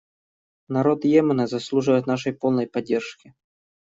Народ Йемена заслуживает нашей полной поддержки.